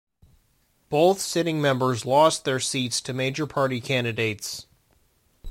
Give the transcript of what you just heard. Both sitting members lost their seats to major party candidates.